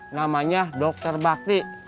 namanya dokter bakti